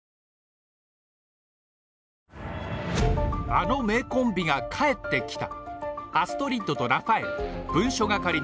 あの名コンビが帰ってきた！